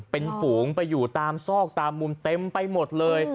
เป็นฝูงไปอยู่ตามซอกตามมุมเต็มไปหมดเลย